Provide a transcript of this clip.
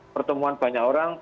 pertemuan banyak orang